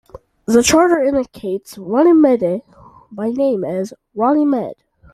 The charter indicates Runnymede by name as Ronimed.